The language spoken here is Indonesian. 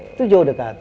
itu jauh dekat